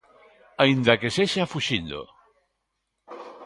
Aínda que sexa fuxindo.